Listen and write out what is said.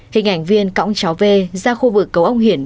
hình ảnh viên cõng cháu v ra khu vực cầu ông hiển